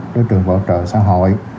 đối trường bảo trợ xã hội